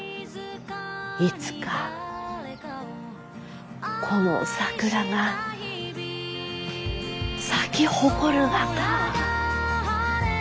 いつかこの桜が咲き誇るがか。